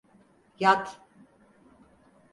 Yat!